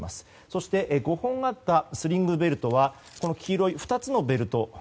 そして、５本あったスリングベルトはこの黄色い２つのベルト。